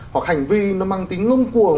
hoặc hành vi nó mang tính ngông cuồng